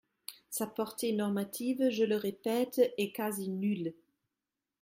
Sa portée normative, je le répète, est quasi nulle.